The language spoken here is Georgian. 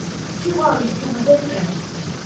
სიყვარულის თემაზე ვწერ.